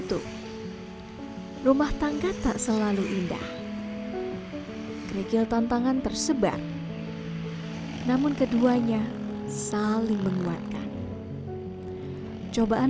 itu rumah tangga tak selalu indah kegigil tantangan tersebar namun keduanya saling menguatkan cobaan